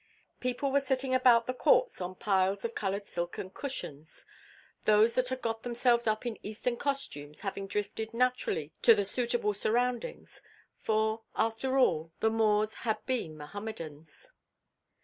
People were sitting about the courts on piles of colored silken cushions, those that had got themselves up in Eastern costumes having drifted naturally to the suitable surroundings; for, after all, the Moors had been Mohammedans.